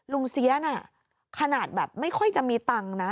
เสียน่ะขนาดแบบไม่ค่อยจะมีตังค์นะ